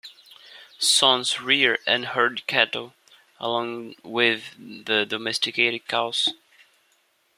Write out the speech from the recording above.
Sons rear and herd cattle along with the domesticated cows.